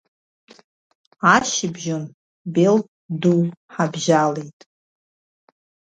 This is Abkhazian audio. Ашьыбжьон Белт Ду ҳабжьалеит.